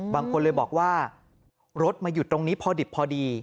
บางคนเลยบอกว่ารถมาหยุดตรงนี้พอดิบพอดี